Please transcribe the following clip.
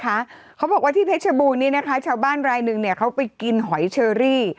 เขาทำวิธีอยู่หรือเขาไปกล้าเลยไหม